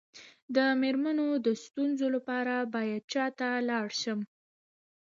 د میرمنو د ستونزو لپاره باید چا ته لاړ شم؟